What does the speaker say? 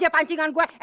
ada yang ini